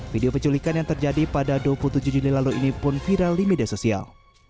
video penculikan yang terjadi pada dua puluh tujuh juni lalu ini pun viral di media sosial